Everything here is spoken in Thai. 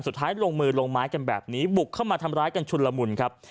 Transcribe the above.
สุดท้ายลงมือลงไม้กันแบบนี้บุกเข้ามาทำร้ายกันชุนละมุนครับ